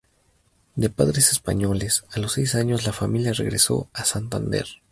De padres españoles, a los seis años la familia regresó a Santander.